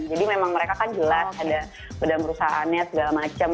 jadi memang mereka kan jelas ada beda perusahaannya segala macam